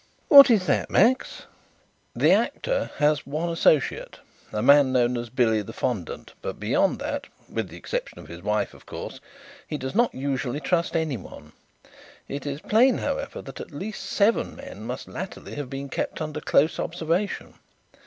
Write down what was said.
"What is that, Max?" "The 'Actor' has one associate, a man known as 'Billy the Fondant,' but beyond that with the exception of his wife, of course he does not usually trust anyone. It is plain, however, that at least seven men must latterly have been kept under close observation.